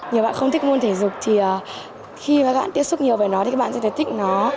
nếu bạn không thích môn thể dục thì khi các bạn tiếp xúc nhiều với nó thì các bạn sẽ thấy thích nó